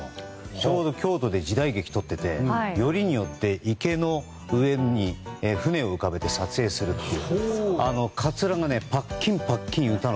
ちょうど京都で時代劇を撮っていてよりによって雪の上に船を浮かべて撮影するという。